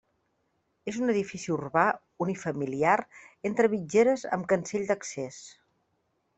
És un edifici urbà unifamiliar entre mitgeres amb cancell d'accés.